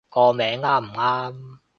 個名啱唔啱